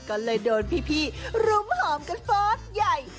ก็เลยโดนพี่รุมหอมกันฟอสใหญ่